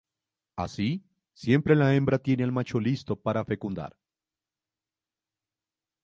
Así, siempre la hembra tiene al macho listo para fecundar.